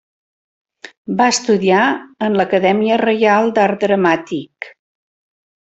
Va estudiar en l'Acadèmia Reial d'Art Dramàtic.